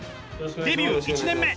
デビュー１年目！